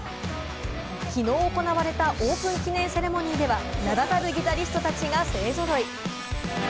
きのう行われたオープン記念セレモニーには、名だたるギタリストたちが勢ぞろい。